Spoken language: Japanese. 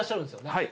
はい。